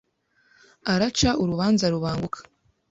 Araca urubanza rubanguka